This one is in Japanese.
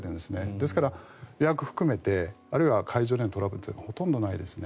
ですから、予約を含めてあるいは会場でのトラブルはほとんどないですね。